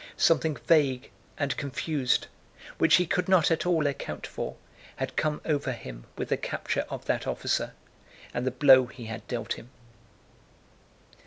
Something vague and confused, which he could not at all account for, had come over him with the capture of that officer and the blow he had dealt him.